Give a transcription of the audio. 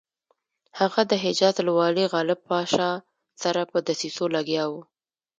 هغه د حجاز له والي غالب پاشا سره په دسیسو لګیا وو.